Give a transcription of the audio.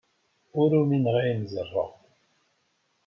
Ur umineɣ ayen ẓerreɣ.